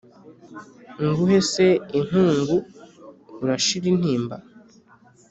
nguhe se inkungu urashira intimba